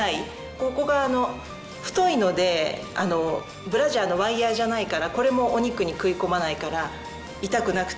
ここが太いのでブラジャーのワイヤじゃないからこれもお肉に食い込まないから痛くなくて。